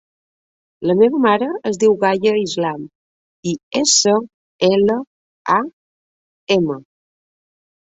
La meva mare es diu Gaia Islam: i, essa, ela, a, ema.